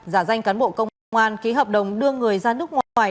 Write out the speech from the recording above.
giả danh cán bộ công an ký hợp đồng đưa người ra nước ngoài